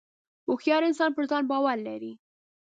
• هوښیار انسان پر ځان باور لري.